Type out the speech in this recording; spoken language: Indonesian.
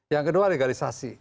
yang kedua legalisasi